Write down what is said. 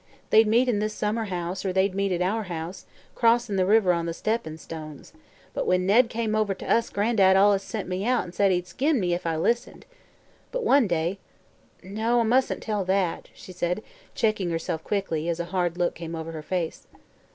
They'd meet in this summer house, or they'd meet at our house, crossin' the river on the steppin' stones; but when Ned came over to us Gran'dad allus sent me away an' said he'd skin me if I listened. But one day No, I mus'n't tell that," she said, checking herself quickly, as a hard look came over her face.